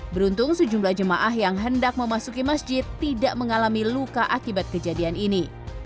beruntung sejumlah jemaah yang hendak memasuki masjid tidak mengalami luka akibat kejadian ini